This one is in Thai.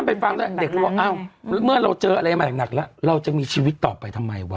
นั่นเป็นฟังด้วยเด็กครูว่าอ้าวเมื่อเราเจออะไรมาหนักแล้วเราจะมีชีวิตต่อไปทำไมวะ